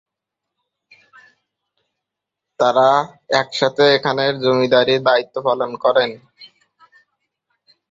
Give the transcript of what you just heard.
তারা একসাথে এখানের জমিদারির দায়িত্ব পালন করেন।